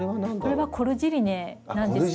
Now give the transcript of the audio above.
これがコルジリネなんですけど。